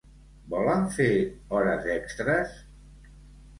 Volen fer hores extres?